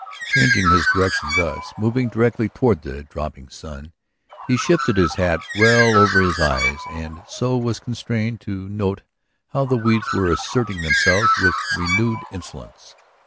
Changing his direction thus, moving directly toward the dropping sun, he shifted his hat well over his eyes and so was constrained to note how the weeds were asserting themselves with renewed insolence.